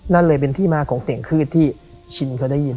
นั่นเลยเป็นที่มาของเสียงคืดที่ชินเขาได้ยิน